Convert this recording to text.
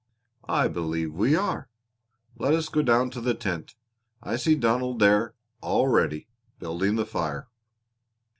"I believe we are. Let us go down to the tent. I see Donald there already, building the fire."